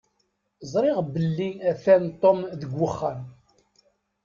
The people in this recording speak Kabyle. Ẓriɣ belli atan Tom deg wexxam.